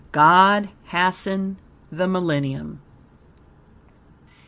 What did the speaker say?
God hasten the Millenium.